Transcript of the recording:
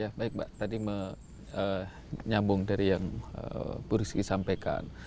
ya baik mbak tadi menyambung dari yang bu rizky sampaikan